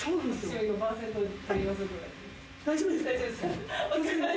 大丈夫ですか？